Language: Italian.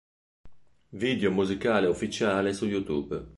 Video musicale ufficiale su youtube